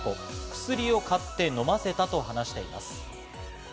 薬を買って飲ませたと話しています。